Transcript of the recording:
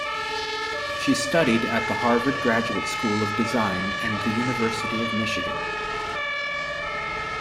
She studied at the Harvard Graduate School of Design and the University of Michigan.